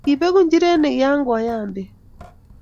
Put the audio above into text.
Kibeku nchirenik ya koyam beek